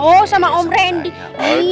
oh sama om randy